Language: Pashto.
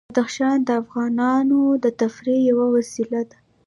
بدخشان د افغانانو د تفریح یوه وسیله ده.